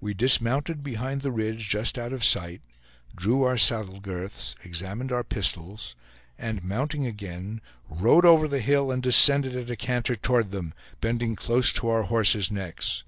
We dismounted behind the ridge just out of sight, drew our saddle girths, examined our pistols, and mounting again rode over the hill, and descended at a canter toward them, bending close to our horses' necks.